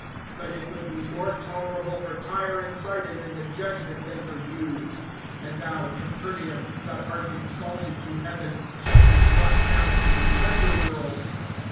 (14)But it will be more tolerable for Tyre and Sidon in the judgment, than for you. (15)And thou, Capernaum, that art exalted to heaven, shalt be brought down to the underworld.